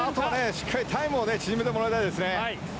しっかりタイムを縮めてもらいたいですね。